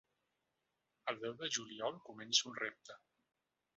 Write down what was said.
El deu de juliol començo un repte.